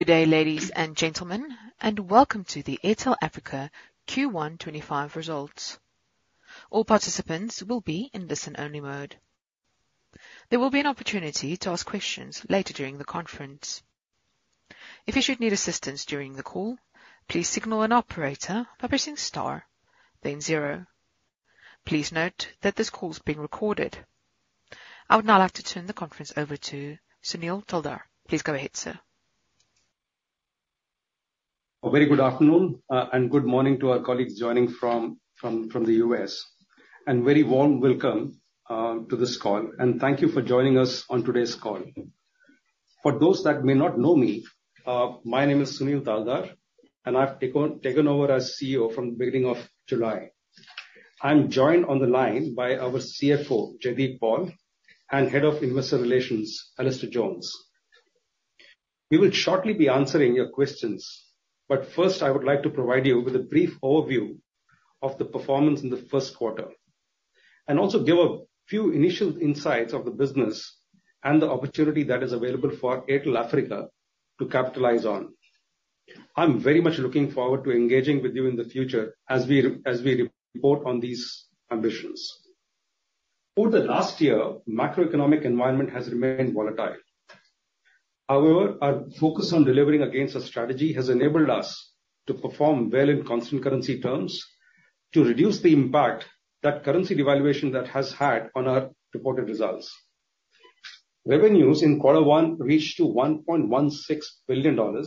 Good day, ladies and gentlemen, and welcome to the Airtel Africa Q1 2025 results. All participants will be in listen-only mode. There will be an opportunity to ask questions later during the conference. If you should need assistance during the call, please signal an operator by pressing star, then zero. Please note that this call is being recorded. I would now like to turn the conference over to Sunil Taldar. Please go ahead, sir. Very good afternoon and good morning to our colleagues joining from the U.S., and very warm welcome to this call, and thank you for joining us on today's call. For those that may not know me, my name is Sunil Taldar, and I've taken over as CEO from the beginning of July. I'm joined on the line by our CFO, Jaideep Paul, and Head of Investor Relations, Alastair Jones. We will shortly be answering your questions, but first, I would like to provide you with a brief overview of the performance in the first quarter, and also give a few initial insights of the business and the opportunity that is available for Airtel Africa to capitalize on. I'm very much looking forward to engaging with you in the future as we report on these ambitions. Over the last year, the macroeconomic environment has remained volatile. However, our focus on delivering against our strategy has enabled us to perform well in constant currency terms to reduce the impact that currency devaluation has had on our reported results. Revenues in quarter one reached $1.16 billion,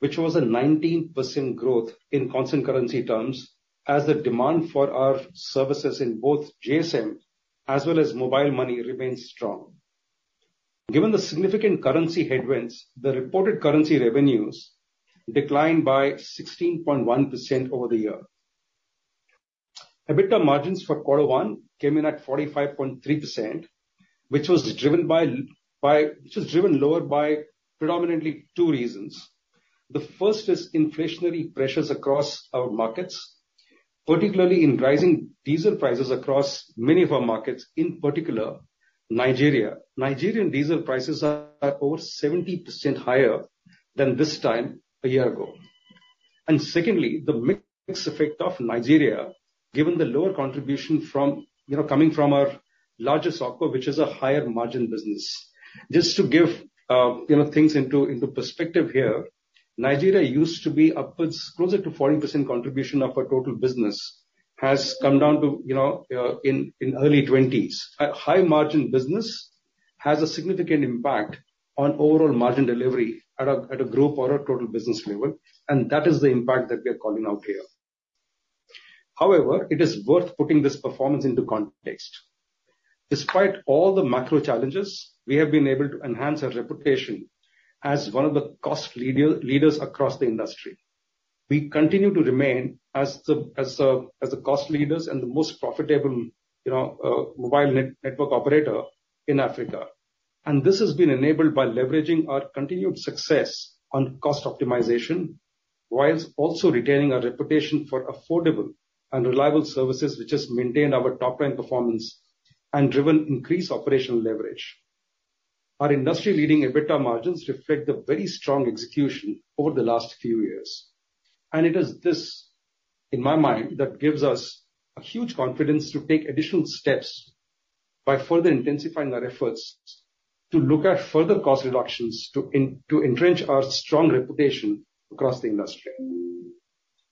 which was a 19% growth in constant currency terms as the demand for our services in both GSM as well as mobile money remains strong. Given the significant currency headwinds, the reported currency revenues declined by 16.1% over the year. EBITDA margins for quarter one came in at 45.3%, which was driven lower by predominantly two reasons. The first is inflationary pressures across our markets, particularly in rising diesel prices across many of our markets, in particular Nigeria. Nigerian diesel prices are over 70% higher than this time a year ago. Secondly, the mixed effect of Nigeria, given the lower contribution coming from our largest OpCo, which is a higher margin business. Just to give things into perspective here, Nigeria used to be upwards closer to 40% contribution of our total business, has come down to in early 20s. A high-margin business has a significant impact on overall margin delivery at a group or a total business level, and that is the impact that we are calling out here. However, it is worth putting this performance into context. Despite all the macro challenges, we have been able to enhance our reputation as one of the cost leaders across the industry. We continue to remain as the cost leaders and the most profitable mobile network operator in Africa, and this has been enabled by leveraging our continued success on cost optimization, while also retaining our reputation for affordable and reliable services, which has maintained our top-line performance and driven increased operational leverage. Our industry-leading EBITDA margins reflect the very strong execution over the last few years, and it is this, in my mind, that gives us a huge confidence to take additional steps by further intensifying our efforts to look at further cost reductions to entrench our strong reputation across the industry.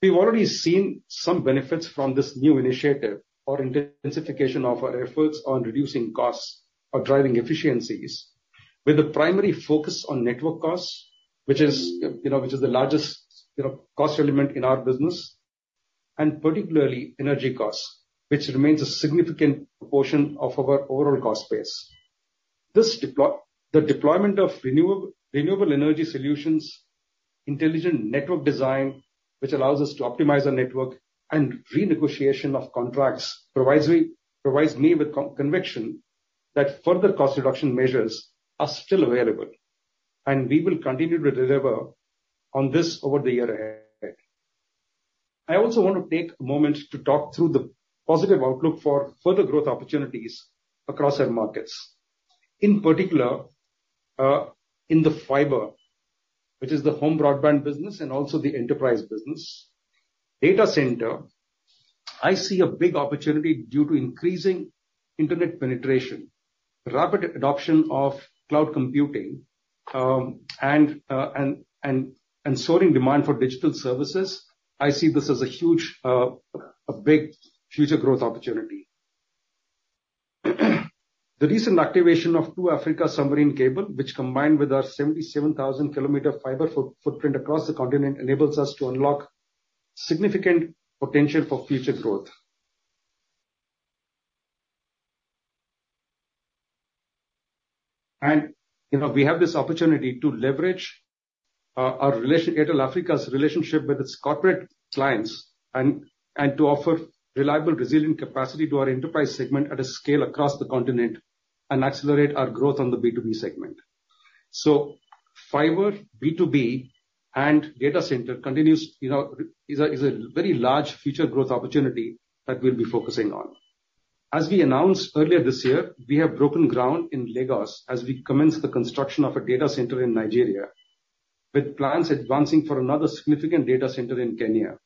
We've already seen some benefits from this new initiative or intensification of our efforts on reducing costs or driving efficiencies, with the primary focus on network costs, which is the largest cost element in our business, and particularly energy costs, which remains a significant portion of our overall cost base. The deployment of renewable energy solutions, intelligent network design, which allows us to optimize our network, and renegotiation of contracts provides me with conviction that further cost reduction measures are still available, and we will continue to deliver on this over the year ahead. I also want to take a moment to talk through the positive outlook for further growth opportunities across our markets, in particular in the fiber, which is the home broadband business and also the enterprise business. Data center, I see a big opportunity due to increasing internet penetration, rapid adoption of cloud computing, and soaring demand for digital services. I see this as a huge, a big future growth opportunity. The recent activation of 2Africa Submarine Cable, which combined with our 77,000 km fiber footprint across the continent, enables us to unlock significant potential for future growth. We have this opportunity to leverage Airtel Africa's relationship with its corporate clients and to offer reliable, resilient capacity to our enterprise segment at a scale across the continent and accelerate our growth on the B2B segment. So fiber, B2B, and data center is a very large future growth opportunity that we'll be focusing on. As we announced earlier this year, we have broken ground in Lagos as we commence the construction of a data center in Nigeria, with plans advancing for another significant data center in Kenya.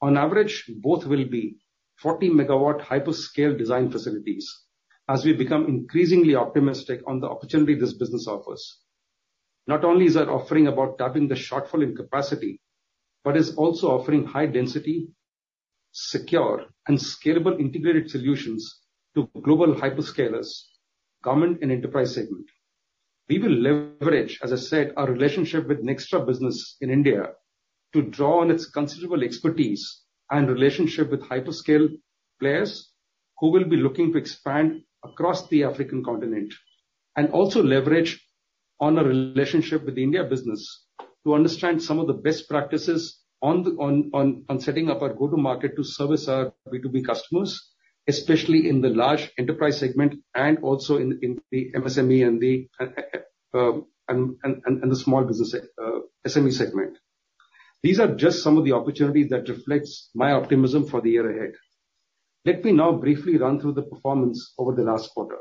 On average, both will be 40 MW hyperscale design facilities as we become increasingly optimistic on the opportunity this business offers. Not only is our offering about tapping the shortfall in capacity, but it's also offering high-density, secure, and scalable integrated solutions to global hyperscalers, government, and enterprise segment. We will leverage, as I said, our relationship with Nxtra business in India to draw on its considerable expertise and relationship with hyperscale players who will be looking to expand across the African continent, and also leverage our relationship with the India business to understand some of the best practices on setting up our go-to-market to service our B2B customers, especially in the large enterprise segment and also in the MSME and the small business SME segment. These are just some of the opportunities that reflect my optimism for the year ahead. Let me now briefly run through the performance over the last quarter.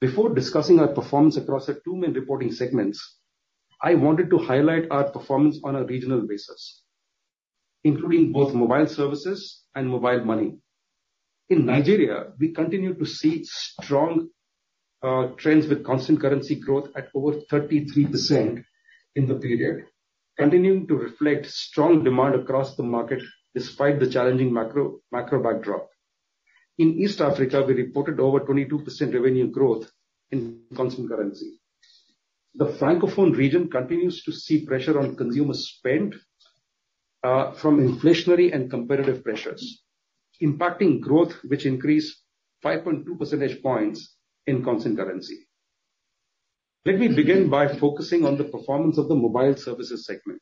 Before discussing our performance across the two main reporting segments, I wanted to highlight our performance on a regional basis, including both mobile services and mobile money. In Nigeria, we continue to see strong trends with constant currency growth at over 33% in the period, continuing to reflect strong demand across the market despite the challenging macro backdrop. In East Africa, we reported over 22% revenue growth in constant currency. The Francophone region continues to see pressure on consumer spend from inflationary and competitive pressures, impacting growth, which increased 5.2 percentage points in constant currency. Let me begin by focusing on the performance of the mobile services segment.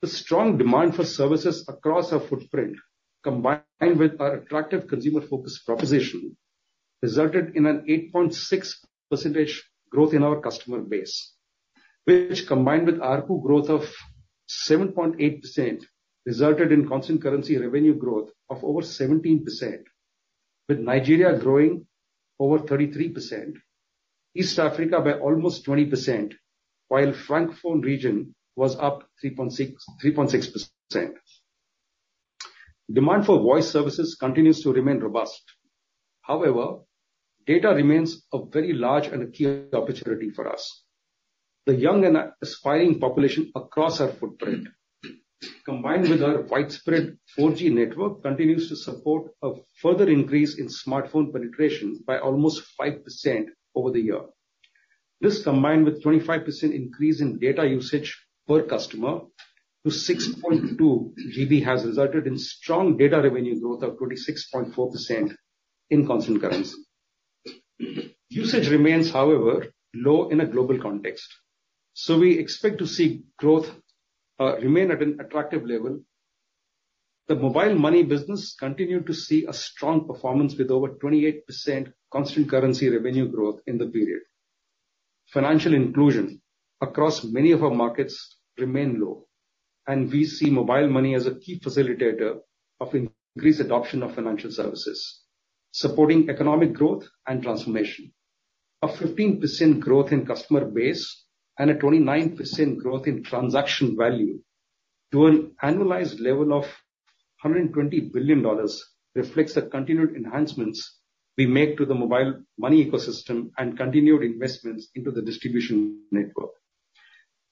The strong demand for services across our footprint, combined with our attractive consumer-focused proposition, resulted in an 8.6% growth in our customer base, which, combined with our growth of 7.8%, resulted in constant currency revenue growth of over 17%, with Nigeria growing over 33%, East Africa by almost 20%, while the Francophone region was up 3.6%. Demand for voice services continues to remain robust. However, data remains a very large and key opportunity for us. The young and aspiring population across our footprint, combined with our widespread 4G network, continues to support a further increase in smartphone penetration by almost 5% over the year. This, combined with a 25% increase in data usage per customer to 6.2 GB, has resulted in strong data revenue growth of 26.4% in constant currency. Usage remains, however, low in a global context, so we expect to see growth remain at an attractive level. The mobile money business continued to see a strong performance with over 28% constant currency revenue growth in the period. Financial inclusion across many of our markets remained low, and we see mobile money as a key facilitator of increased adoption of financial services, supporting economic growth and transformation. A 15% growth in customer base and a 29% growth in transaction value to an annualized level of $120 billion reflects the continued enhancements we make to the mobile money ecosystem and continued investments into the distribution network,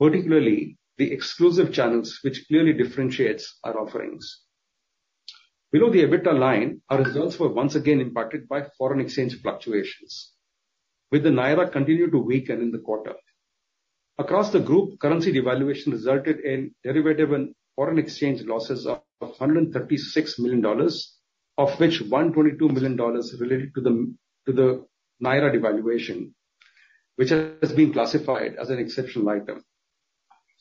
particularly the exclusive channels, which clearly differentiate our offerings. Below the EBITDA line, our results were once again impacted by foreign exchange fluctuations, with the Naira continuing to weaken in the quarter. Across the group, currency devaluation resulted in derivative and foreign exchange losses of $136 million, of which $122 million related to the Naira devaluation, which has been classified as an exceptional item.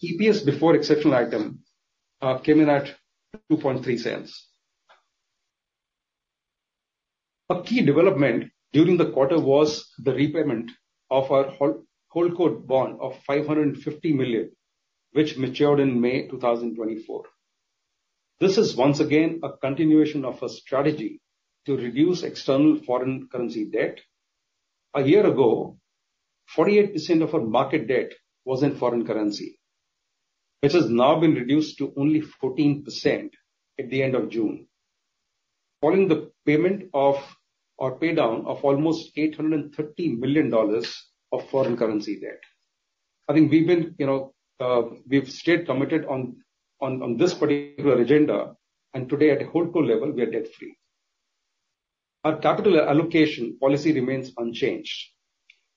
EPS before exceptional item came in at $0.023. A key development during the quarter was the repayment of our HoldCo bond of $550 million, which matured in May 2024. This is once again a continuation of our strategy to reduce external foreign currency debt. A year ago, 48% of our market debt was in foreign currency, which has now been reduced to only 14% at the end of June, following the payment of our paydown of almost $830 million of foreign currency debt. I think we've stayed committed on this particular agenda, and today, at a HoldCo level, we are debt-free. Our capital allocation policy remains unchanged.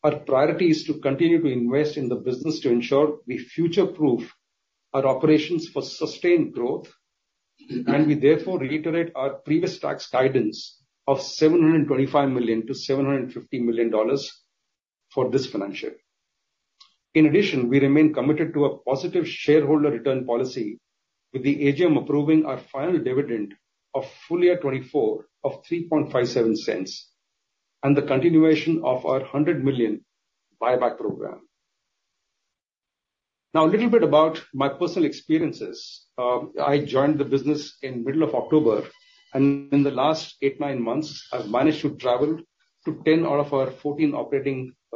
Our priority is to continue to invest in the business to ensure we future-proof our operations for sustained growth, and we therefore reiterate our previous tax guidance of $725 million-$750 million for this financial year. In addition, we remain committed to a positive shareholder return policy, with the AGM approving our final dividend for full year 2024 of $0.0357 and the continuation of our $100 million buyback program. Now, a little bit about my personal experiences. I joined the business in the middle of October, and in the last eight, nine months, I've managed to travel to 10 out of our 14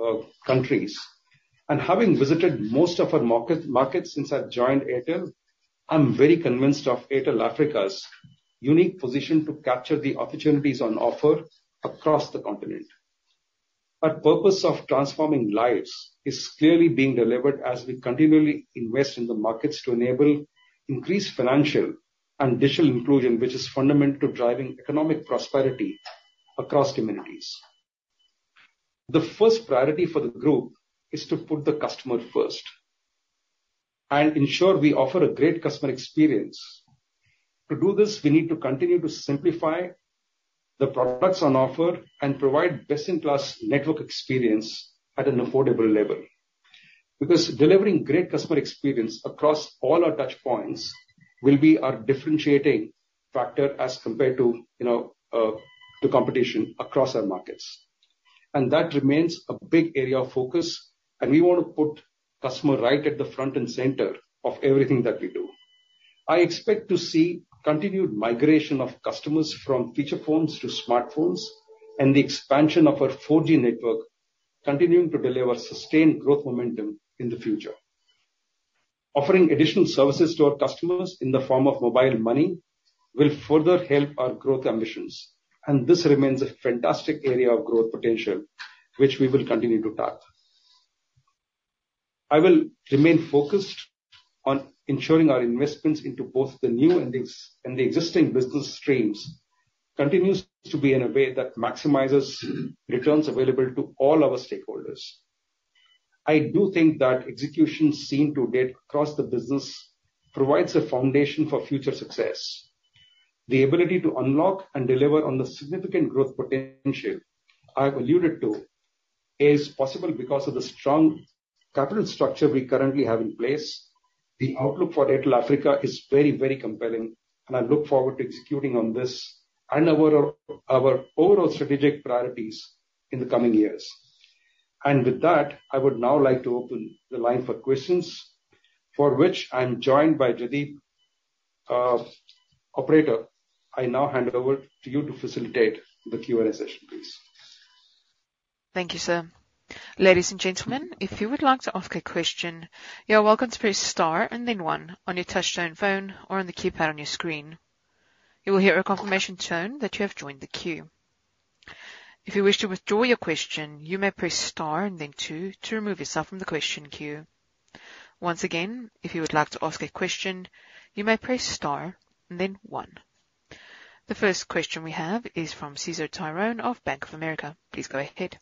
operating countries. Having visited most of our markets since I've joined Airtel, I'm very convinced of Airtel Africa's unique position to capture the opportunities on offer across the continent. Our purpose of transforming lives is clearly being delivered as we continually invest in the markets to enable increased financial and digital inclusion, which is fundamental to driving economic prosperity across communities. The first priority for the group is to put the customer first and ensure we offer a great customer experience. To do this, we need to continue to simplify the products on offer and provide best-in-class network experience at an affordable level, because delivering great customer experience across all our touchpoints will be our differentiating factor as compared to competition across our markets. That remains a big area of focus, and we want to put customer right at the front and center of everything that we do. I expect to see continued migration of customers from feature phones to smartphones and the expansion of our 4G network, continuing to deliver sustained growth momentum in the future. Offering additional services to our customers in the form of mobile money will further help our growth ambitions, and this remains a fantastic area of growth potential, which we will continue to tap. I will remain focused on ensuring our investments into both the new and the existing business streams continues to be in a way that maximizes returns available to all our stakeholders. I do think that execution seen to date across the business provides a foundation for future success. The ability to unlock and deliver on the significant growth potential I've alluded to is possible because of the strong capital structure we currently have in place. The outlook for Airtel Africa is very, very compelling, and I look forward to executing on this and our overall strategic priorities in the coming years. With that, I would now like to open the line for questions, for which I'm joined by Jaideep, operator. I now hand over to you to facilitate the Q&A session, please. Thank you, sir. Ladies and gentlemen, if you would like to ask a question, you're welcome to press Star and then One on your touch-tone phone or on the keypad on your screen. You will hear a confirmation tone that you have joined the queue. If you wish to withdraw your question, you may press Star and then Two to remove yourself from the question queue. Once again, if you would like to ask a question, you may press Star and then One. The first question we have is from César Tiron of Bank of America. Please go ahead.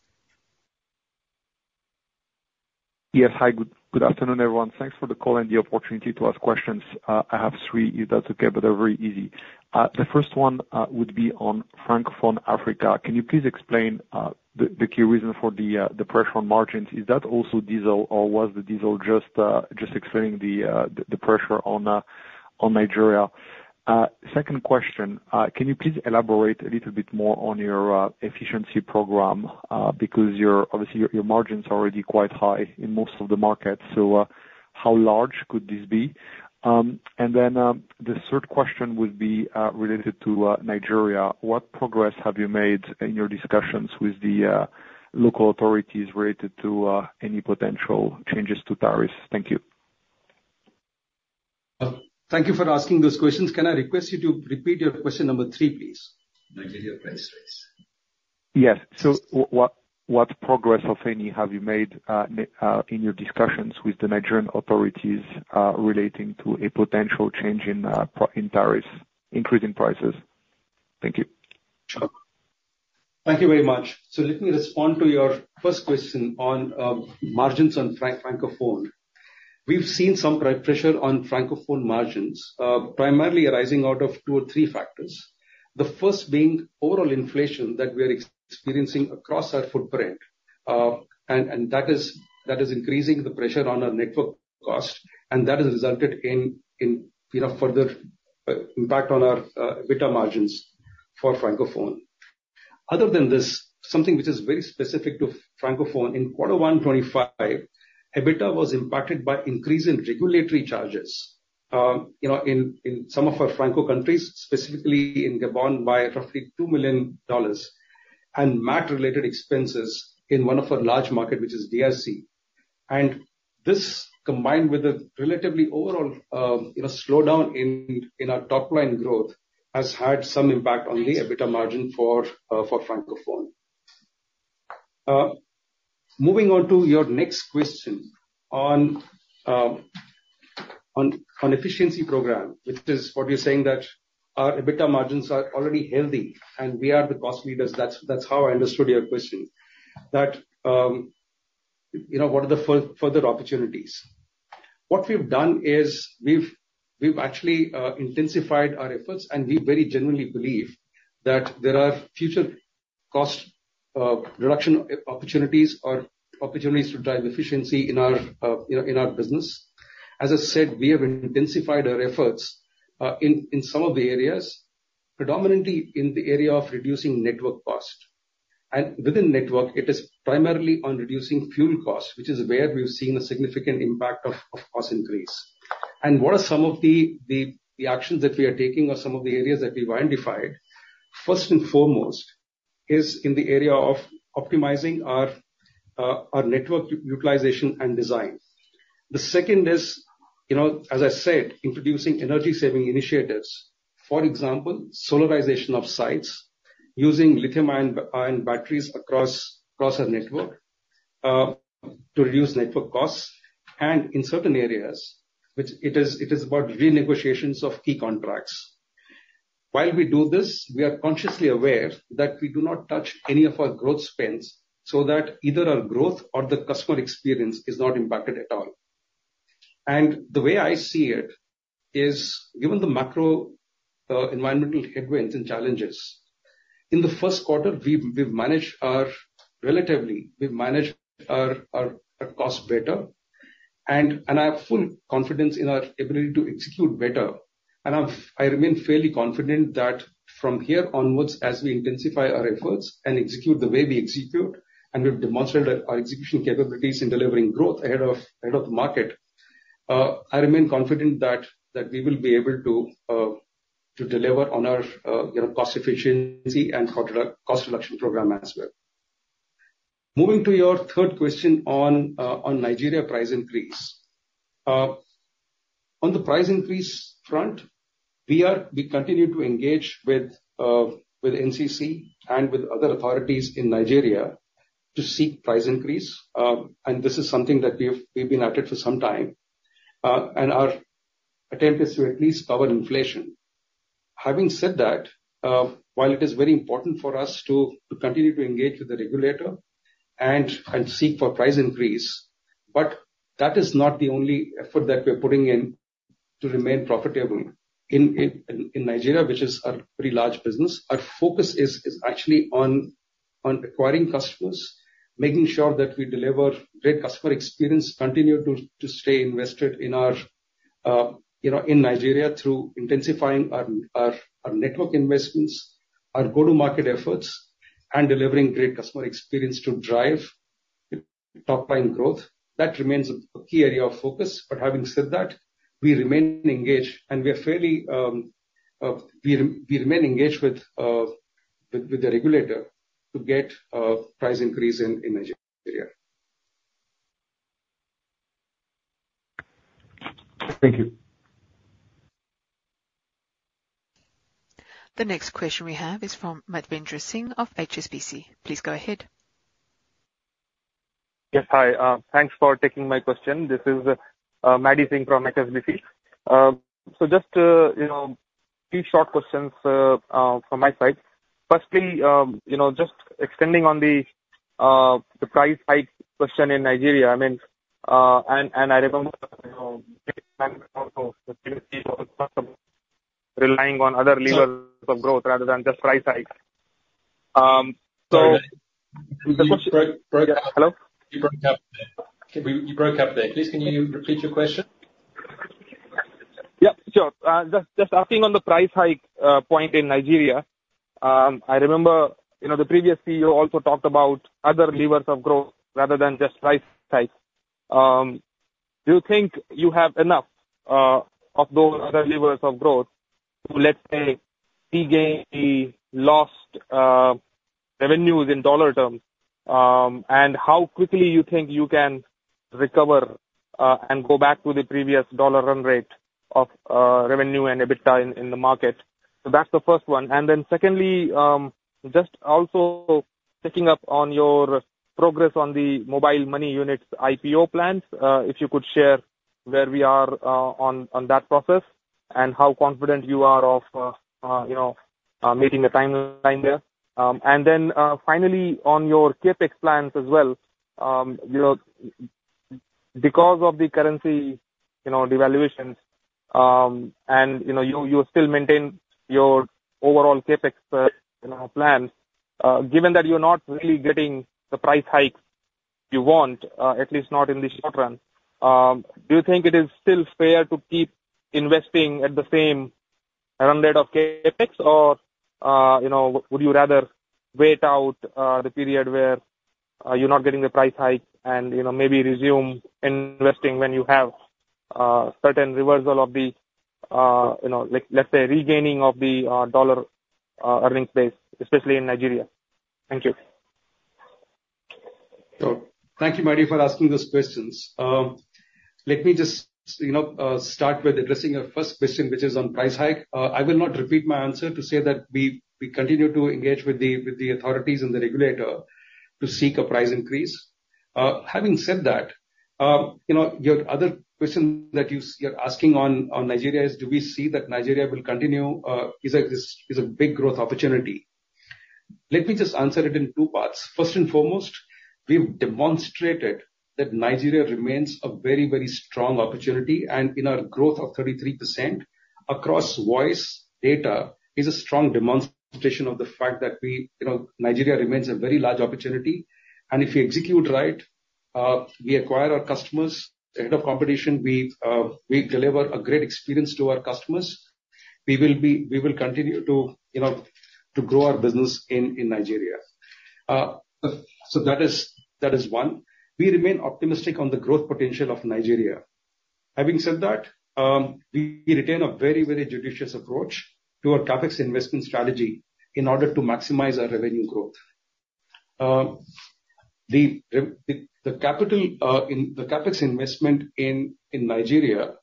Yes, hi. Good afternoon, everyone. Thanks for the call and the opportunity to ask questions. I have three, if that's okay, but they're very easy. The first one would be on Francophone Africa. Can you please explain the key reason for the pressure on margins? Is that also diesel, or was the diesel just explaining the pressure on Nigeria? Second question, can you please elaborate a little bit more on your efficiency program, because obviously, your margins are already quite high in most of the markets? So how large could this be? And then the third question would be related to Nigeria. What progress have you made in your discussions with the local authorities related to any potential changes to tariffs? Thank you. Thank you for asking those questions. Can I request you to repeat your question number three, please? Nigeria price rates. Yes. So what progress, if any, have you made in your discussions with the Nigerian authorities relating to a potential change in tariffs, increasing prices? Thank you. Sure. Thank you very much. So let me respond to your first question on margins on Francophone. We've seen some pressure on Francophone margins, primarily arising out of two or three factors. The first being overall inflation that we are experiencing across our footprint, and that is increasing the pressure on our network cost, and that has resulted in further impact on our EBITDA margins for Francophone. Other than this, something which is very specific to Francophone, in Q1 2025, EBITDA was impacted by increasing regulatory charges in some of our Francophone countries, specifically in Gabon, by roughly $2 million and MAT-related expenses in one of our large markets, which is DRC. This, combined with a relatively overall slowdown in our top-line growth, has had some impact on the EBITDA margin for Francophone. Moving on to your next question on efficiency program, which is what you're saying, that our EBITDA margins are already healthy, and we are the cost leaders. That's how I understood your question, that, what are the further opportunities? What we've done is we've actually intensified our efforts, and we very genuinely believe that there are future cost reduction opportunities or opportunities to drive efficiency in our business. As I said, we have intensified our efforts in some of the areas, predominantly in the area of reducing network cost. And within network, it is primarily on reducing fuel cost, which is where we've seen a significant impact of cost increase. What are some of the actions that we are taking or some of the areas that we've identified? First and foremost is in the area of optimizing our network utilization and design. The second is, as I said, introducing energy-saving initiatives, for example, solarization of sites using lithium-ion batteries across our network to reduce network costs. And in certain areas, it is about renegotiations of key contracts. While we do this, we are consciously aware that we do not touch any of our growth spends so that either our growth or the customer experience is not impacted at all. And the way I see it is, given the macro environmental headwinds and challenges, in the first quarter, we've managed our costs relatively better, and I have full confidence in our ability to execute better. I remain fairly confident that from here onwards, as we intensify our efforts and execute the way we execute, and we've demonstrated our execution capabilities in delivering growth ahead of the market, I remain confident that we will be able to deliver on our cost efficiency and cost reduction program as well. Moving to your third question on Nigeria price increase. On the price increase front, we continue to engage with NCC and with other authorities in Nigeria to seek price increase, and this is something that we've been at it for some time, and our attempt is to at least cover inflation. Having said that, while it is very important for us to continue to engage with the regulator and seek for price increase, but that is not the only effort that we're putting in to remain profitable. In Nigeria, which is a pretty large business, our focus is actually on acquiring customers, making sure that we deliver great customer experience, continue to stay invested in Nigeria through intensifying our network investments, our go-to-market efforts, and delivering great customer experience to drive top-line growth. That remains a key area of focus, but having said that, we remain engaged, and we remain engaged with the regulator to get price increase in Nigeria. Thank you. The next question we have is from Madhvendra Singh of HSBC. Please go ahead. Yes, hi. Thanks for taking my question. This is Maddy Singh from HSBC. So just a few short questions from my side. Firstly, just extending on the price hike question in Nigeria, and I remember the previously focused customers relying on other levels of growth rather than just price hikes. So the question hello? You broke up there. You broke up there. Please, can you repeat your question? Yeah, sure. Just asking on the price hike point in Nigeria, I remember the previous CEO also talked about other levers of growth rather than just price hikes. Do you think you have enough of those other levers of growth to, let's say, regain the lost revenues in dollar terms, and how quickly you think you can recover and go back to the previous dollar-run rate of revenue and EBITDA in the market? So that's the first one. And then secondly, just also picking up on your progress on the mobile money unit IPO plans, if you could share where we are on that process and how confident you are of meeting the timeline there. And then finally, on your CapEx plans as well, because of the currency devaluations, and you still maintain your overall CapEx plans, given that you're not really getting the price hikes you want, at least not in the short run, do you think it is still fair to keep investing at the same run rate of CapEx, or would you rather wait out the period where you're not getting the price hike and maybe resume investing when you have certain reversal of the, let's say, regaining of the U.S. dollar earnings base, especially in Nigeria? Thank you. Thank you, Maddy, for asking those questions. Let me just start with addressing your first question, which is on price hike. I will not repeat my answer to say that we continue to engage with the authorities and the regulator to seek a price increase. Having said that, your other question that you're asking on Nigeria is, do we see that Nigeria will continue? It's a big growth opportunity. Let me just answer it in two parts. First and foremost, we've demonstrated that Nigeria remains a very, very strong opportunity, and in our growth of 33% across voice data, it's a strong demonstration of the fact that Nigeria remains a very large opportunity. And if we execute right, we acquire our customers ahead of competition, we deliver a great experience to our customers. We will continue to grow our business in Nigeria. So that is one. We remain optimistic on the growth potential of Nigeria. Having said that, we retain a very, very judicious approach to our CapEx investment strategy in order to maximize our revenue growth. The CapEx investment in Nigeria,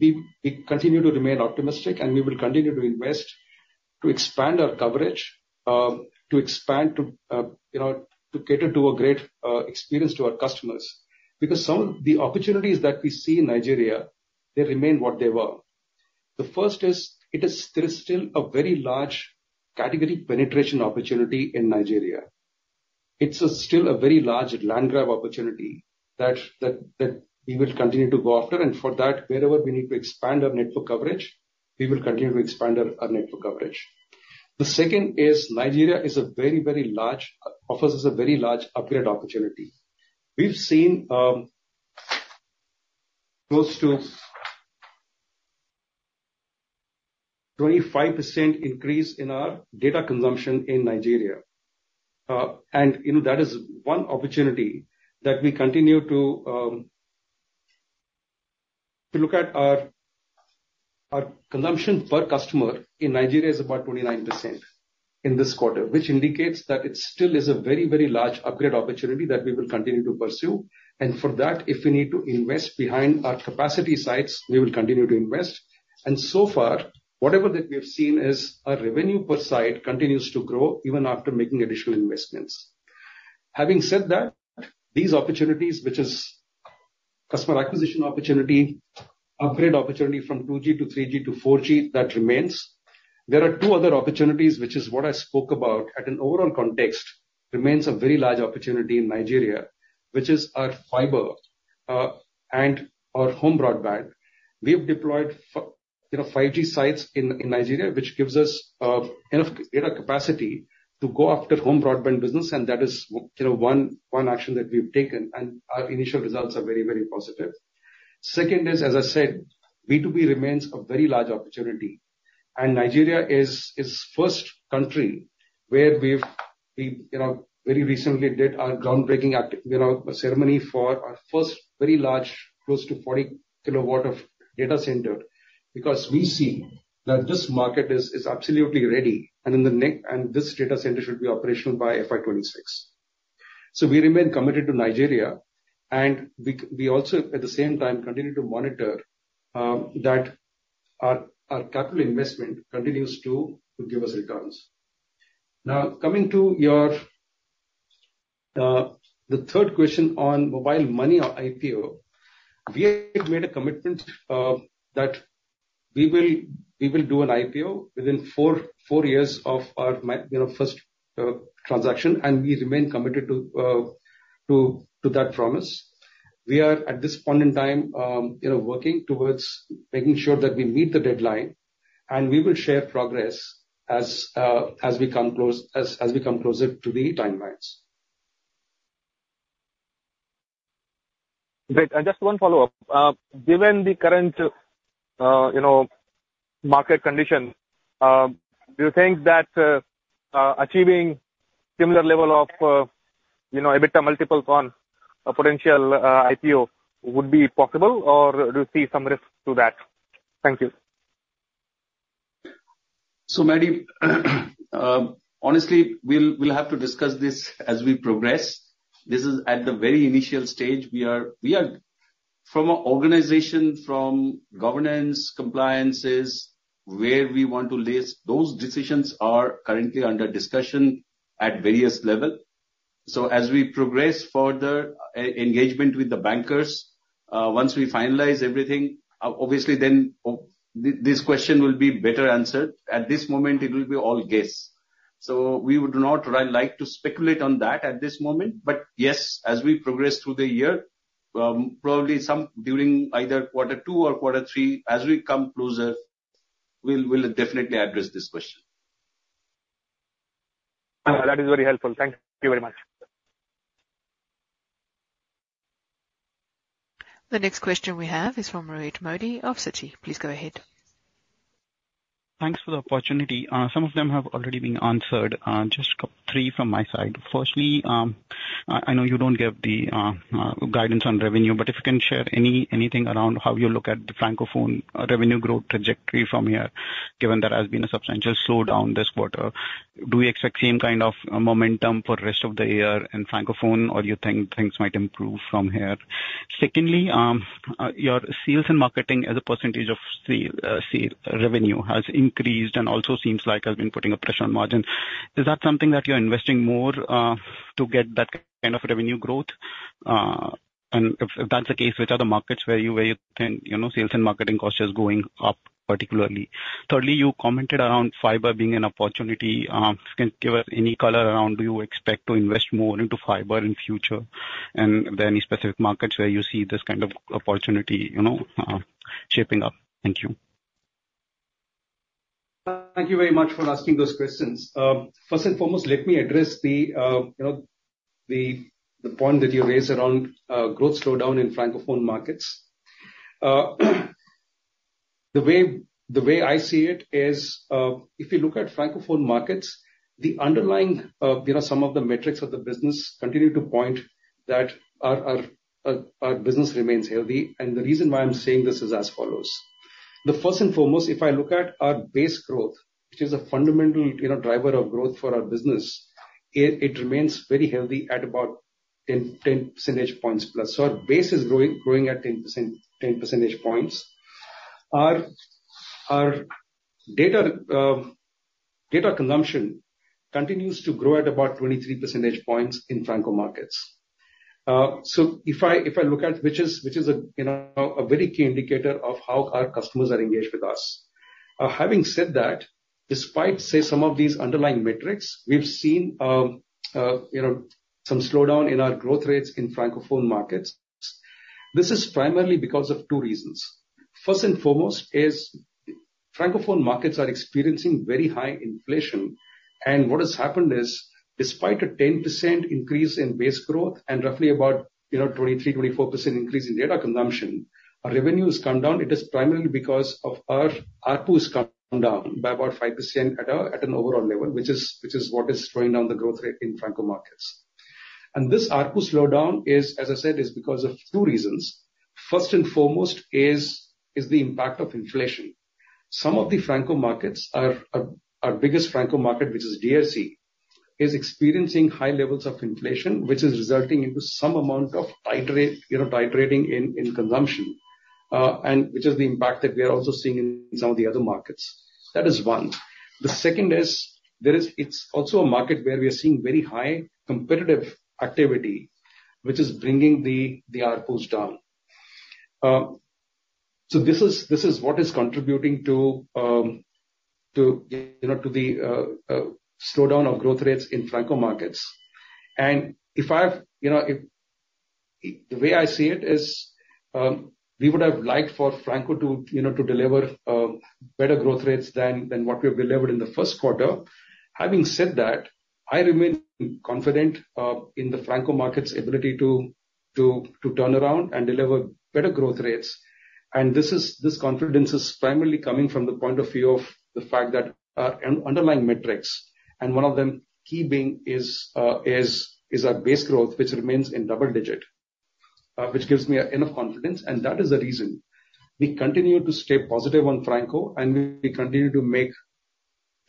we continue to remain optimistic, and we will continue to invest to expand our coverage, to expand, to cater to a great experience to our customers, because some of the opportunities that we see in Nigeria, they remain what they were. The first is, it is still a very large category penetration opportunity in Nigeria. It's still a very large land grab opportunity that we will continue to go after, and for that, wherever we need to expand our network coverage, we will continue to expand our network coverage. The second is, Nigeria offers us a very large upgrade opportunity. We've seen close to 25% increase in our data consumption in Nigeria. And that is one opportunity that we continue to look at. Our consumption per customer in Nigeria is about 29% in this quarter, which indicates that it still is a very, very large upgrade opportunity that we will continue to pursue. And for that, if we need to invest behind our capacity sites, we will continue to invest. And so far, whatever that we have seen is our revenue per site continues to grow even after making additional investments. Having said that, these opportunities, which is customer acquisition opportunity, upgrade opportunity from 2G to 3G to 4G, that remains. There are two other opportunities, which is what I spoke about. At an overall context, it remains a very large opportunity in Nigeria, which is our fiber and our home broadband. We've deployed 5G sites in Nigeria, which gives us enough data capacity to go after home broadband business, and that is one action that we've taken, and our initial results are very, very positive. Second is, as I said, B2B remains a very large opportunity, and Nigeria is the first country where we've very recently did our groundbreaking ceremony for our first very large, close to 40 kW data center, because we see that this market is absolutely ready, and this data center should be operational by FY 2026. So we remain committed to Nigeria, and we also, at the same time, continue to monitor that our capital investment continues to give us returns. Now, coming to the third question on mobile money IPO, we have made a commitment that we will do an IPO within four years of our first transaction, and we remain committed to that promise. We are, at this point in time, working towards making sure that we meet the deadline, and we will share progress as we come closer to the timelines. Great. And just one follow-up. Given the current market condition, do you think that achieving a similar level of EBITDA multiple on a potential IPO would be possible, or do you see some risk to that? Thank you. So, Maddy, honestly, we'll have to discuss this as we progress. This is at the very initial stage. We are, from an organization, from governance, compliance, where we want to list, those decisions are currently under discussion at various levels. So as we progress further, engagement with the bankers, once we finalize everything, obviously, then this question will be better answered. At this moment, it will be all guess. So we would not like to speculate on that at this moment, but yes, as we progress through the year, probably during either quarter two or quarter three, as we come closer, we'll definitely address this question. That is very helpful. Thank you very much. The next question we have is from Rohit Modi of Citi. Please go ahead. Thanks for the opportunity. Some of them have already been answered. Just three from my side. Firstly, I know you don't give the guidance on revenue, but if you can share anything around how you look at the Francophone revenue growth trajectory from here, given there has been a substantial slowdown this quarter, do we expect same kind of momentum for the rest of the year in Francophone, or do you think things might improve from here? Secondly, your sales and marketing as a percentage of revenue has increased and also seems like has been putting a pressure on margins. Is that something that you're investing more to get that kind of revenue growth? And if that's the case, which are the markets where you think sales and marketing costs are going up particularly? Thirdly, you commented around fiber being an opportunity. Can you give us any color around, do you expect to invest more into fiber in the future? And are there any specific markets where you see this kind of opportunity shaping up? Thank you. Thank you very much for asking those questions. First and foremost, let me address the point that you raised around growth slowdown in Francophone markets. The way I see it is, if you look at Francophone markets, the underlying some of the metrics of the business continue to point that our business remains healthy. The reason why I'm saying this is as follows. The first and foremost, if I look at our base growth, which is a fundamental driver of growth for our business, it remains very healthy at about 10 percentage points plus. So our base is growing at 10 percentage points. Our data consumption continues to grow at about 23 percentage points in Franco markets. So if I look at, which is a very key indicator of how our customers are engaged with us. Having said that, despite, say, some of these underlying metrics, we've seen some slowdown in our growth rates in Francophone markets. This is primarily because of two reasons. First and foremost, Francophone markets are experiencing very high inflation. And what has happened is, despite a 10% increase in base growth and roughly about a 23%-24% increase in data consumption, our revenue has come down. It is primarily because of our ARPU's come down by about 5% at an overall level, which is what is slowing down the growth rate in Francophone markets. And this ARPU's slowdown, as I said, is because of two reasons. First and foremost is the impact of inflation. Some of the Francophone markets, our biggest Francophone market, which is DRC, is experiencing high levels of inflation, which is resulting in some amount of tightening in consumption, which is the impact that we are also seeing in some of the other markets. That is one. The second is, it's also a market where we are seeing very high competitive activity, which is bringing the ARPUs down. So this is what is contributing to the slowdown of growth rates in Francophone markets. And the way I see it is, we would have liked for Francophone to deliver better growth rates than what we have delivered in the first quarter. Having said that, I remain confident in the Francophone market's ability to turn around and deliver better growth rates. And this confidence is primarily coming from the point of view of the fact that our underlying metrics, and one of them key being is our base growth, which remains in double digit, which gives me enough confidence. That is the reason we continue to stay positive on Francophone, and we continue to make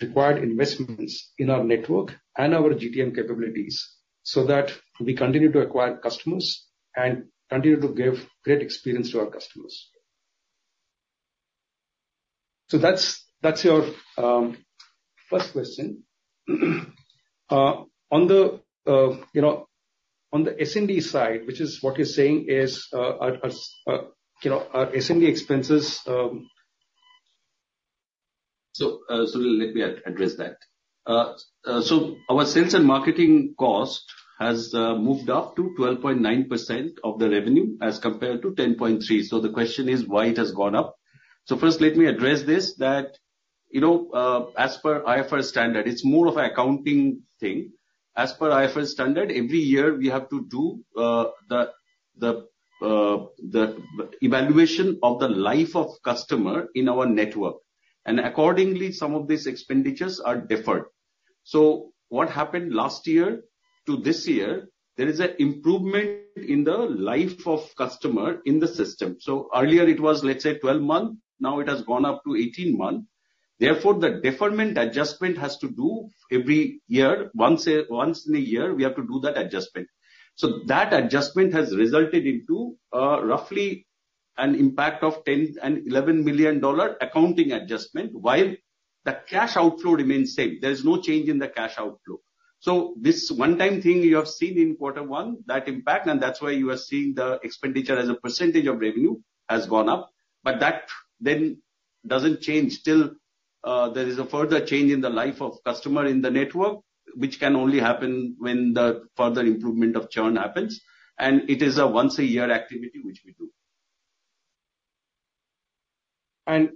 required investments in our network and our GTM capabilities so that we continue to acquire customers and continue to give great experience to our customers. That's your first question. On the S&D side, which is what you're saying is our S&D expenses. Let me address that. Our sales and marketing cost has moved up to 12.9% of the revenue as compared to 10.3%. The question is, why it has gone up? First, let me address this, that as per IFRS standard, it's more of an accounting thing. As per IFRS standard, every year we have to do the evaluation of the life of customer in our network. Accordingly, some of these expenditures are deferred. So what happened last year to this year, there is an improvement in the life of customer in the system. So earlier it was, let's say, 12 months. Now it has gone up to 18 months. Therefore, the deferment adjustment has to do every year. Once in a year, we have to do that adjustment. So that adjustment has resulted in roughly an impact of $10 million-$11 million accounting adjustment, while the cash outflow remains the same. There is no change in the cash outflow. So this one-time thing you have seen in quarter one, that impact, and that's why you are seeing the expenditure as a percentage of revenue has gone up. But that then doesn't change till there is a further change in the life of customer in the network, which can only happen when the further improvement of churn happens. It is a once-a-year activity which we do.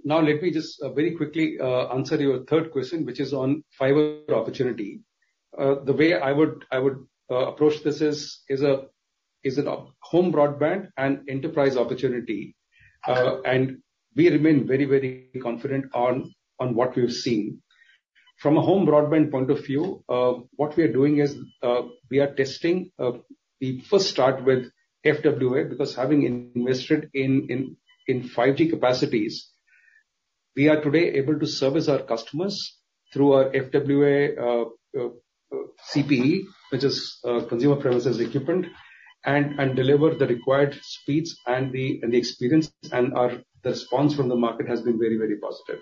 Now, let me just very quickly answer your third question, which is on fiber opportunity. The way I would approach this is a home broadband and enterprise opportunity. We remain very, very confident on what we've seen. From a home broadband point of view, what we are doing is we are testing. We first start with FWA because having invested in 5G capacities, we are today able to service our customers through our FWA CPE, which is consumer premises equipment, and deliver the required speeds and the experience. The response from the market has been very, very positive.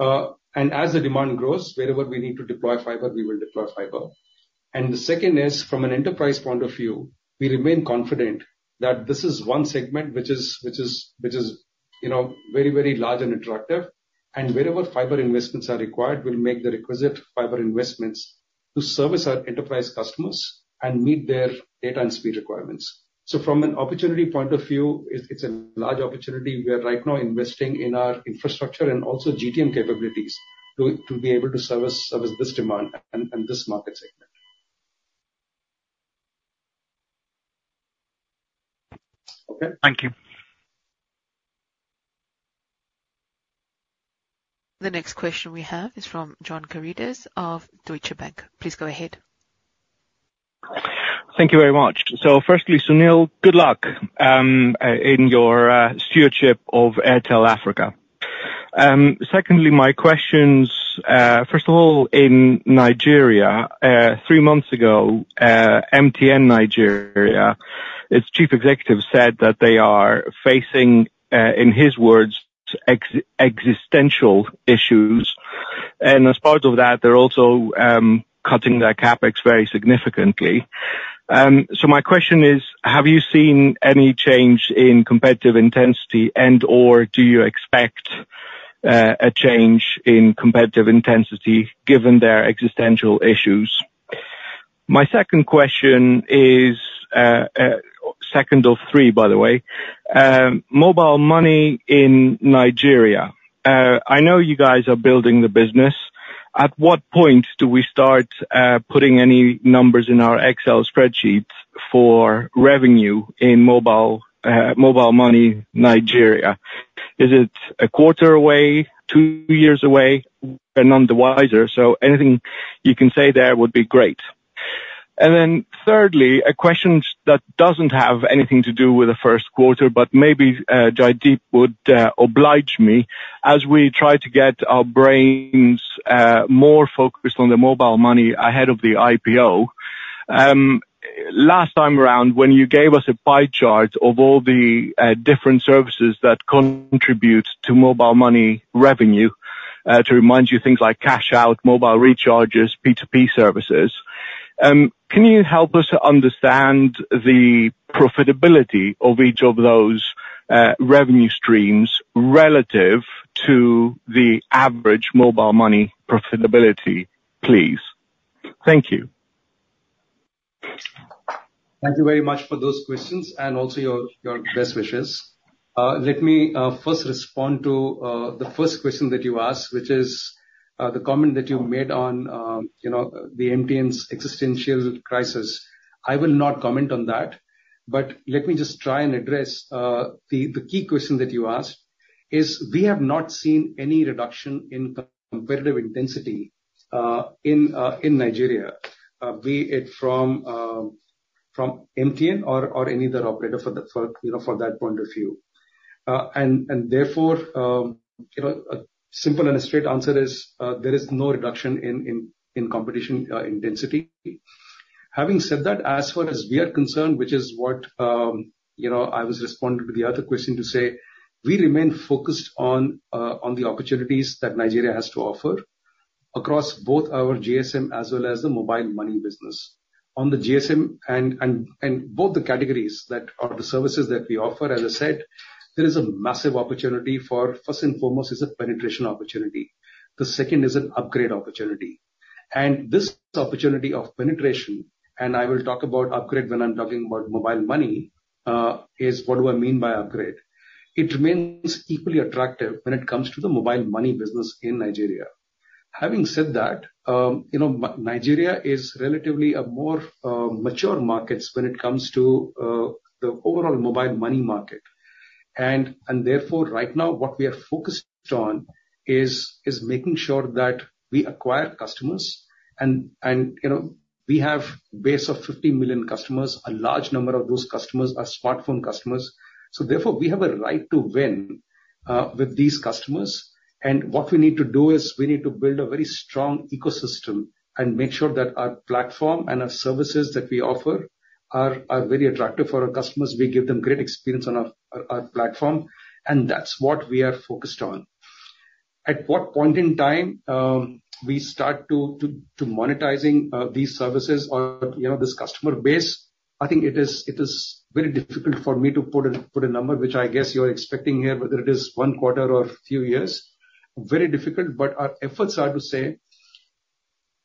As the demand grows, wherever we need to deploy fiber, we will deploy fiber. The second is, from an enterprise point of view, we remain confident that this is one segment which is very, very large and interactive. Wherever fiber investments are required, we'll make the requisite fiber investments to service our enterprise customers and meet their data and speed requirements. So from an opportunity point of view, it's a large opportunity. We are right now investing in our infrastructure and also GTM capabilities to be able to service this demand and this market segment. Okay. Thank you. The next question we have is from John Karidis of Deutsche Bank. Please go ahead. Thank you very much. So firstly, Sunil, good luck in your stewardship of Airtel Africa. Secondly, my questions, first of all, in Nigeria, three months ago, MTN Nigeria, its chief executive said that they are facing, in his words, existential issues. And as part of that, they're also cutting their CapEx very significantly. So my question is, have you seen any change in competitive intensity, and/or do you expect a change in competitive intensity given their existential issues? My second question is, second of three, by the way, mobile money in Nigeria. I know you guys are building the business. At what point do we start putting any numbers in our Excel spreadsheets for revenue in mobile money Nigeria? Is it a quarter away, two years away? We're none the wiser. So anything you can say there would be great. And then thirdly, a question that doesn't have anything to do with the first quarter, but maybe Jaideep would oblige me as we try to get our brains more focused on the mobile money ahead of the IPO. Last time around, when you gave us a pie chart of all the different services that contribute to mobile money revenue, to remind you things like cash-out, mobile recharges, P2P services, can you help us understand the profitability of each of those revenue streams relative to the average mobile money profitability, please? Thank you. Thank you very much for those questions and also your best wishes. Let me first respond to the first question that you asked, which is the comment that you made on the MTN's existential crisis. I will not comment on that, but let me just try and address the key question that you asked is, we have not seen any reduction in competitive intensity in Nigeria, be it from MTN or any other operator for that point of view. And therefore, a simple and straight answer is there is no reduction in competition intensity. Having said that, as far as we are concerned, which is what I was responding to the other question to say, we remain focused on the opportunities that Nigeria has to offer across both our GSM as well as the mobile money business. On the GSM and both the categories that are the services that we offer, as I said, there is a massive opportunity for, first and foremost, it's a penetration opportunity. The second is an upgrade opportunity. And this opportunity of penetration, and I will talk about upgrade when I'm talking about mobile money, is what do I mean by upgrade. It remains equally attractive when it comes to the mobile money business in Nigeria. Having said that, Nigeria is relatively a more mature market when it comes to the overall mobile money market. Therefore, right now, what we are focused on is making sure that we acquire customers. We have a base of 50 million customers. A large number of those customers are smartphone customers. Therefore, we have a right to win with these customers. What we need to do is we need to build a very strong ecosystem and make sure that our platform and our services that we offer are very attractive for our customers. We give them great experience on our platform. That's what we are focused on. At what point in time we start to monetize these services or this customer base? I think it is very difficult for me to put a number, which I guess you're expecting here, whether it is one quarter or a few years. Very difficult, but our efforts are to say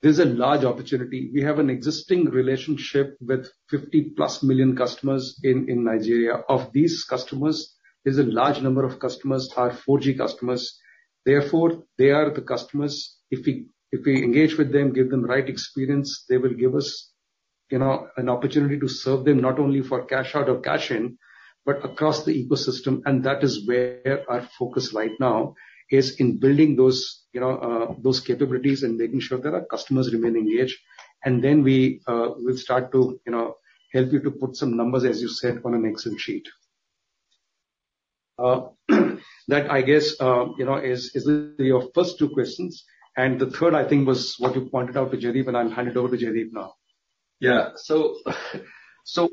there's a large opportunity. We have an existing relationship with 50+ million customers in Nigeria. Of these customers, there's a large number of customers are 4G customers. Therefore, they are the customers. If we engage with them, give them the right experience, they will give us an opportunity to serve them not only for cash-out or cash-in, but across the ecosystem. And that is where our focus right now is in building those capabilities and making sure that our customers remain engaged. And then we'll start to help you to put some numbers, as you said, on an Excel sheet. That, I guess, is your first two questions. And the third, I think, was what you pointed out to Jaideep, and I'll hand it over to Jaideep now. Yeah. So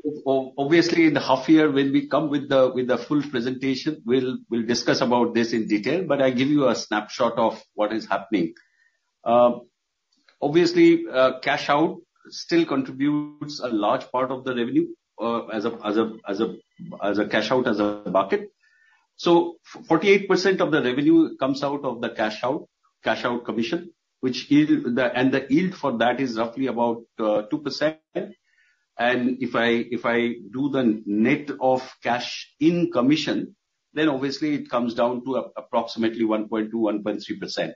obviously, in the half year, when we come with the full presentation, we'll discuss about this in detail. But I'll give you a snapshot of what is happening. Obviously, cash-out still contributes a large part of the revenue as a cash-out as a bucket. So 48% of the revenue comes out of the cash-out commission, and the yield for that is roughly about 2%. And if I do the net of cash-in commission, then obviously, it comes down to approximately 1.2%-1.3%.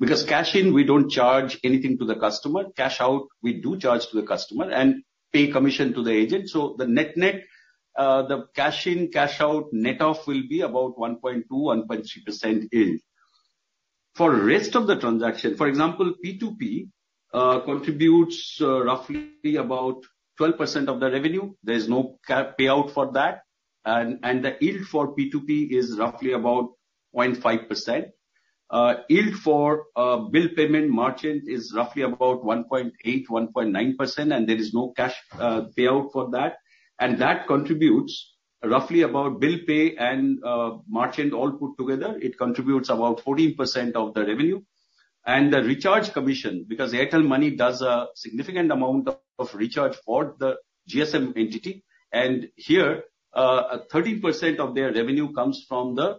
Because cash-in, we don't charge anything to the customer. Cash-out, we do charge to the customer and pay commission to the agent. So the net cash-in, cash-out net-of will be about 1.2%-1.3% yield. For the rest of the transaction, for example, P2P contributes roughly about 12% of the revenue. There is no payout for that. And the yield for P2P is roughly about 0.5%. Yield for bill payment merchant is roughly about 1.8%-1.9%, and there is no cash payout for that. That contributes roughly about bill pay and merchant all put together, it contributes about 14% of the revenue. And the recharge commission, because Airtel Money does a significant amount of recharge for the GSM entity, and here, 30% of their revenue comes from the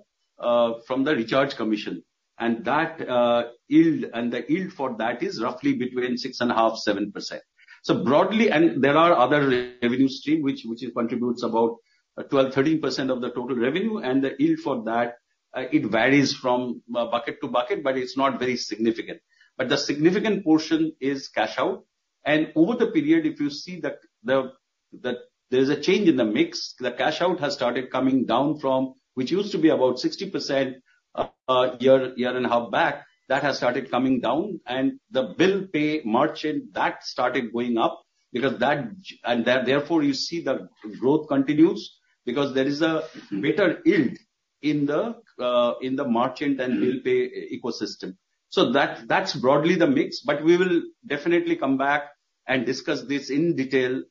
recharge commission. And the yield for that is roughly between 6.5% and 7%. So broadly, there are other revenue streams which contribute about 12%-13% of the total revenue. And the yield for that, it varies from bucket to bucket, but it's not very significant. But the significant portion is cash-out. And over the period, if you see that there's a change in the mix, the cash-out has started coming down from which used to be about 60% a year and a half back, that has started coming down. The bill pay margin, that started going up because that, and therefore, you see the growth continues because there is a better yield in the margin than bill pay ecosystem. So that's broadly the mix. But we will definitely come back and discuss this in detail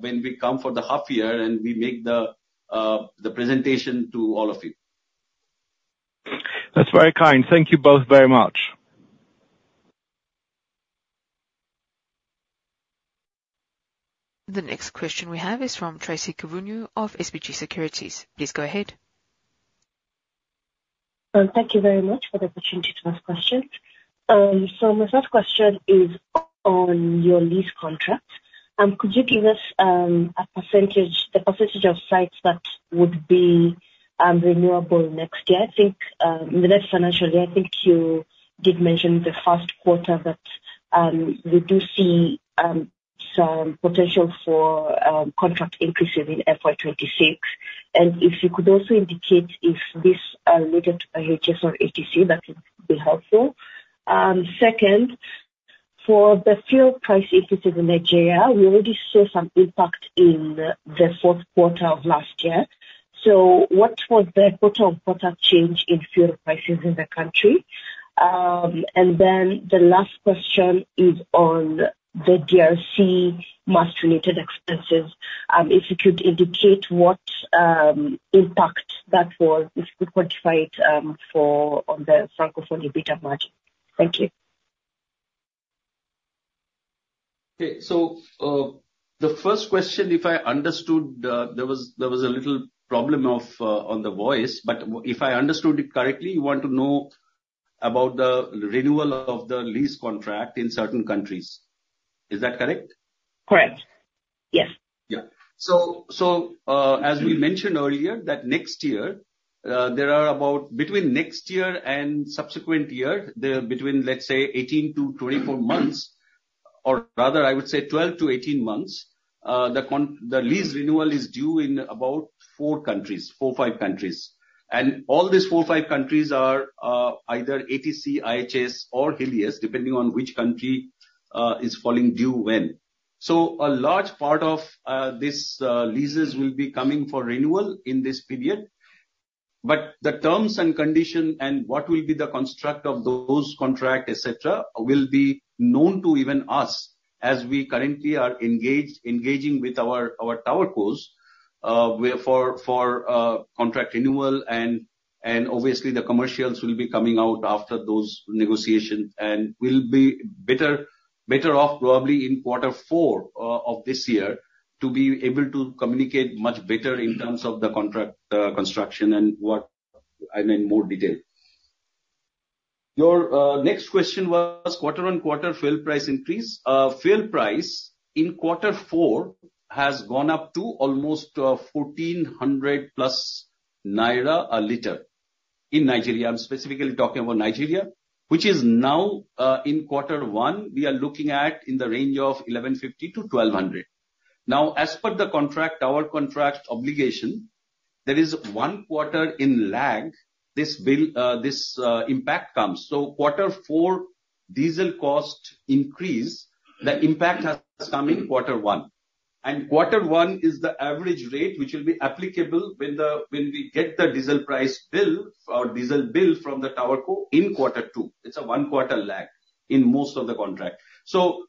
when we come for the half year and we make the presentation to all of you. That's very kind. Thank you both very much. The next question we have is from Tracy Kivunyu of SBG Securities. Please go ahead. Thank you very much for the opportunity to ask questions. So my first question is on your lease contracts. Could you give us the percentage of sites that would be renewable next year? I think the next financial year, I think you did mention the first quarter that we do see some potential for contract increases in FY 2026. And if you could also indicate if this is related to IHS or ATC, that would be helpful. Second, for the fuel price increases in Nigeria, we already saw some impact in the fourth quarter of last year. So what was the quarter-on-quarter change in fuel prices in the country? And then the last question is on the DRC MAT-related expenses. If you could indicate what impact that was, if you could quantify it on the Francophone EBITDA margin. Thank you. Okay. So the first question, if I understood, there was a little problem on the voice, but if I understood it correctly, you want to know about the renewal of the lease contract in certain countries. Is that correct? Correct. Yes. Yeah. So as we mentioned earlier, that next year, there are about between next year and subsequent year, between, let's say, 18-24 months, or rather, I would say 12-18 months, the lease renewal is due in about four countries, four or five countries. And all these four or five countries are either ATC, IHS, or Helios, depending on which country is falling due when. So a large part of these leases will be coming for renewal in this period. But the terms and conditions and what will be the construct of those contracts, etc., will be known to even us as we currently are engaging with our tower cos for contract renewal. And obviously, the commercials will be coming out after those negotiations and will be better off probably in quarter four of this year to be able to communicate much better in terms of the contract construction and more detail. Your next question was quarter-on-quarter fuel price increase. Fuel price in quarter four has gone up to almost 1,400 NGN+ a liter in Nigeria. I'm specifically talking about Nigeria, which is now, in quarter one, we are looking at in the range of 1,150-1,200. Now, as per the contract, our contract obligation, there is one quarter in lag this impact comes. So quarter four diesel cost increase, the impact has come in quarter one. And quarter one is the average rate which will be applicable when we get the diesel price bill or diesel bill from the tower in quarter two. It's a one-quarter lag in most of the contract. So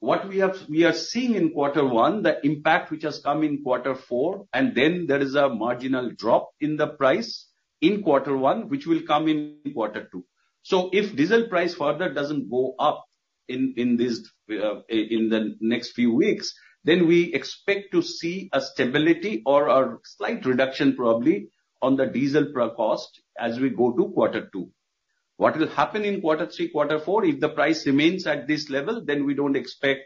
what we are seeing in quarter one, the impact which has come in quarter four, and then there is a marginal drop in the price in quarter one, which will come in quarter two. So if diesel price further doesn't go up in the next few weeks, then we expect to see a stability or a slight reduction probably on the diesel per cost as we go to quarter two. What will happen in quarter three, quarter four, if the price remains at this level, then we don't expect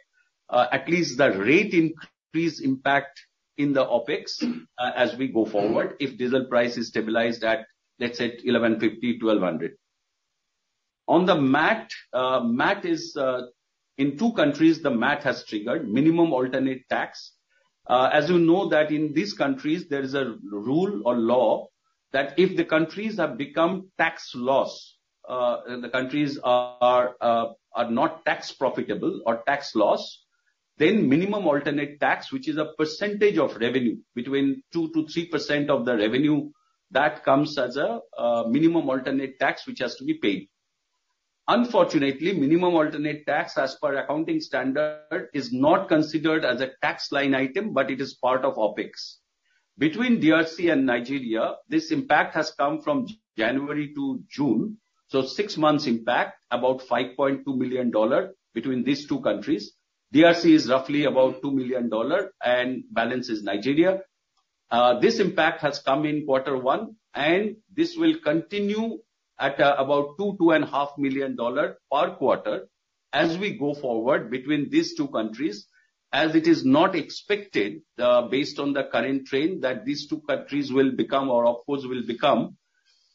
at least the rate increase impact in the OpEx as we go forward if diesel price is stabilized at, let's say, 1,150, 1,200. On the MAT, in two countries, the MAT has triggered minimum alternate tax. As you know, that in these countries, there is a rule or law that if the countries have become tax loss, the countries are not tax profitable or tax loss, then minimum alternate tax, which is a percentage of revenue, between 2%-3% of the revenue, that comes as a minimum alternate tax which has to be paid. Unfortunately, minimum alternate tax, as per accounting standard, is not considered as a tax line item, but it is part of OpEx. Between DRC and Nigeria, this impact has come from January to June. So six months impact, about $5.2 million between these two countries. DRC is roughly about $2 million and balance is Nigeria. This impact has come in quarter one, and this will continue at about $2-$2.5 million per quarter as we go forward between these two countries, as it is not expected, based on the current trend, that these two countries will become, or OpEx will become,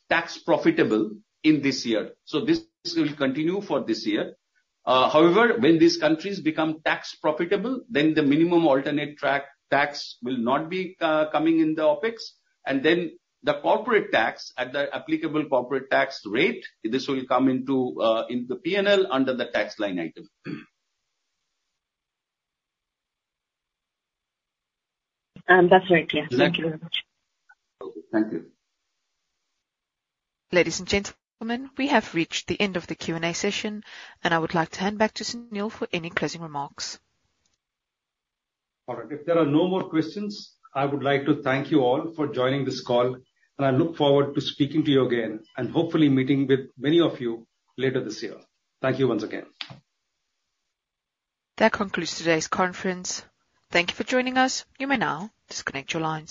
tax profitable in this year. So this will continue for this year. However, when these countries become tax profitable, then the minimum alternate tax will not be coming in the OpEx. And then the corporate tax at the applicable corporate tax rate, this will come into the P&L under the tax line item. That's right, yes. Thank you very much. Thank you. Ladies and gentlemen, we have reached the end of the Q&A session, and I would like to hand back to Sunil for any closing remarks. All right. If there are no more questions, I would like to thank you all for joining this call. I look forward to speaking to you again and hopefully meeting with many of you later this year. Thank you once again. That concludes today's conference. Thank you for joining us. You may now disconnect your lines.